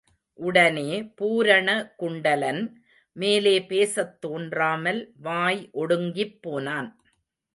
உடனே பூரணகுண்டலன் மேலே பேசத் தோன்றாமல் வாய் ஒடுங்கிப் போனான்.